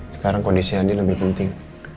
sekarang kondisi handi lebih penting